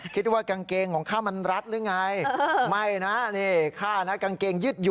คิดว่ากางเกงของข้ามันรัดหรือไงไม่นะนี่ข้านะกางเกงยึดอยู่